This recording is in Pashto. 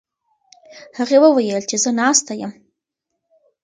هغې وویل چې زه ناسته یم.